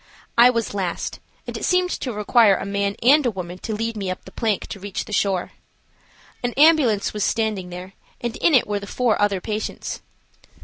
I was last, and it seemed to require a man and a woman to lead me up the plank to reach the shore. An ambulance was standing there, and in it were the four other patients.